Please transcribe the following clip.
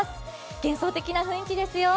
幻想的な雰囲気ですよ。